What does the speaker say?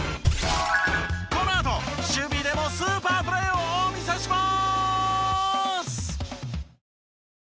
このあと守備でもスーパープレーをお見せします！